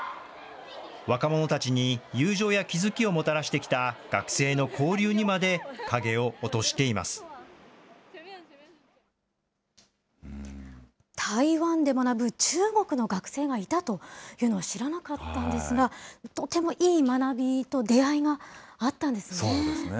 若者たちに友情や気付きをもたらしてきた、学生の交流にまで影を台湾で学ぶ中国の学生がいたというのは知らなかったんですが、とてもいい学びと出会いがあったそうなんですね。